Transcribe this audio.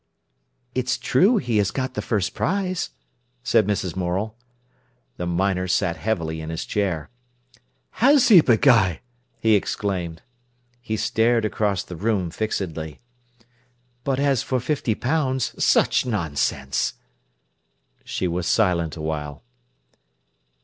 "It's true he has got the first prize," said Mrs. Morel. The miner sat heavily in his chair. "Has he, beguy!" he exclaimed. He stared across the room fixedly. "But as for fifty pounds—such nonsense!" She was silent awhile.